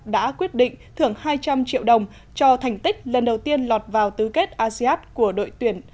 đã quyết định thưởng hai trăm linh triệu đồng cho thành tích lần đầu tiên lọt vào tứ kết asean của đội tuyển